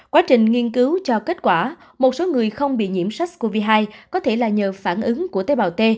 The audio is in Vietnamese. quá trình nghiên cứu cho kết quả một số người không bị nhiễm sars cov hai có thể là nhờ phản ứng của tế bào t